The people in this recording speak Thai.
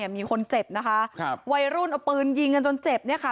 มีคนเจ็บนะคะครับวัยรุ่นเอาปืนยิงกันจนเจ็บเนี่ยค่ะ